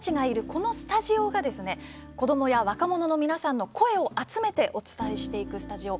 このスタジオが子どもや若者たちの声を集めてお伝えしていくスタジオ